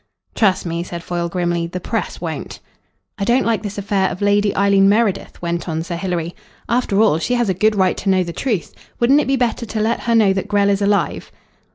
"Trust me," said Foyle grimly. "The Press won't." "I don't like this affair of Lady Eileen Meredith," went on Sir Hilary. "After all, she has a good right to know the truth. Wouldn't it be better to let her know that Grell is alive?"